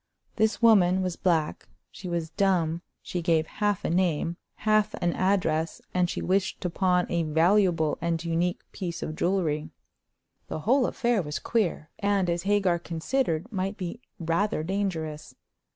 This woman was black, she was dumb, she gave half a name, half an address, and she wished to pawn a valuable and unique piece of jewelry. The whole affair was queer, and, as Hagar considered, might be rather dangerous.